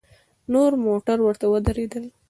نور موټر ورته ودرېدل.